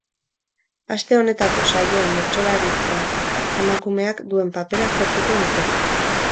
Aste honetako saioan bertsolaritzan emakumeak duen papera aztertuko dute.